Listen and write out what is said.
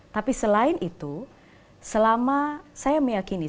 tapi selain itu selama saya meyakini